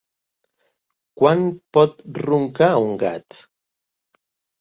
Quan pot roncar un gat?